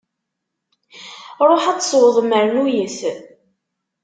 Ṛuḥ ad tesweḍ mernuyet!